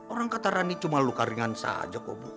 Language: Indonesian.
orang kata rani cuma luka ringan saja kok bu